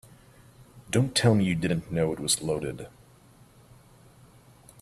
Don't tell me you didn't know it was loaded.